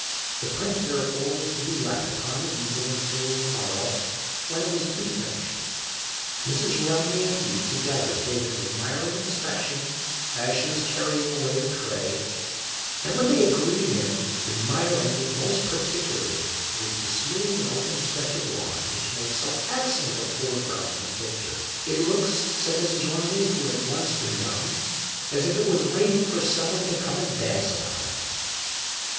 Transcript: The print, therefore, was to be left upon the easel until the morrow , when it was to be finished. Mrs. Rumney and he, together, gave it an admiring inspection as she was carrying away the tray, and what they agreed in admiring most particularly wasi the smooth and open stretch of lawn, whicli made so excellent a foreground for the picture " It looks," said Mrs. Rumney, who had once been young, " as if it was waiting for some " one to come and dance on it."